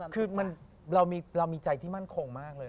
คือเรามีใจที่มั่นคงมากเลย